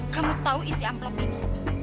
kamu tahu isi amplop ini